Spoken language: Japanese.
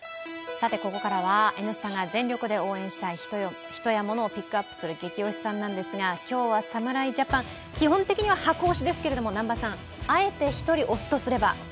さて、ここからは「Ｎスタ」が全力で応援したい人やモノをピックアップするゲキ推しさんなんですが今日は侍ジャパン、基本的には箱推しですけど、南波さん、あえて１人推すとすれば？